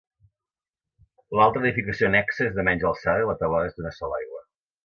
L'altra edificació annexa és de menys alçada i la teulada és d'una sola aigua.